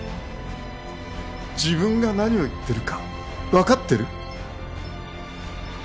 自分が何を言ってるかわかってる？